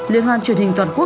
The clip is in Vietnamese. liên hoan truyền hình toàn quốc